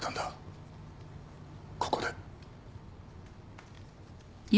ここで。